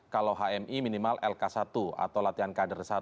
kalau hmi minimal lk satu atau latihan kader satu